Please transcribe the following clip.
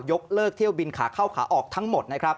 ยกเลิกเที่ยวบินขาเข้าขาออกทั้งหมดนะครับ